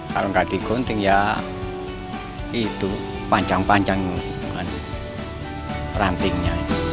kalau enggak digunting ya panjang panjang rantingnya